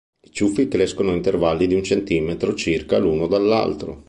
I ciuffi crescono a intervalli di un centimetro circa l'uno dall'altro.